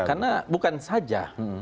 karena bukan saja